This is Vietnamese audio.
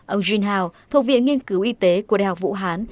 ông junhao thuộc viện nghiên cứu y tế của đại học vũ hán